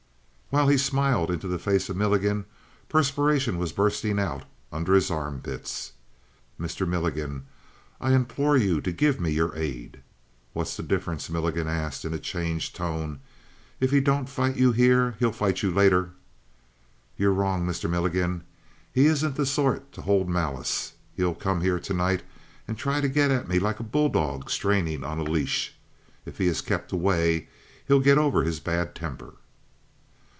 While he smiled into the face of Milligan, perspiration was bursting out under his armpits. "Mr. Milligan, I implore you to give me your aid." "What's the difference?" Milligan asked in a changed tone. "If he don't fight you here he'll fight you later." "You're wrong, Mr. Milligan. He isn't the sort to hold malice. He'll come here tonight and try to get at me like a bulldog straining on a leash. If he is kept away he'll get over his bad temper."